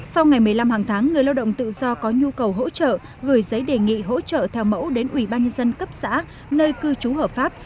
sau ngày một mươi năm hàng tháng người lao động tự do có nhu cầu hỗ trợ gửi giấy đề nghị hỗ trợ theo mẫu đến ủy ban nhân dân cấp xã nơi cư trú hợp pháp